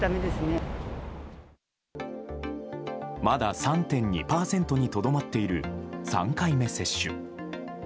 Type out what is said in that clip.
まだ３．２％にとどまっている３回目接種。